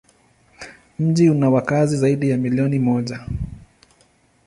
Mji una wakazi zaidi ya milioni moja.